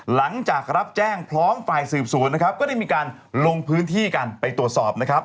หลังจากรับแจ้งพร้อมฝ่ายสืบสวนนะครับก็ได้มีการลงพื้นที่กันไปตรวจสอบนะครับ